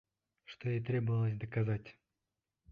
Что и требовалось доказать!